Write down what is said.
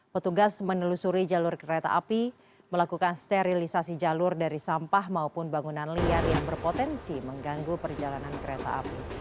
petugas menelusuri jalur kereta api melakukan sterilisasi jalur dari sampah maupun bangunan liar yang berpotensi mengganggu perjalanan kereta api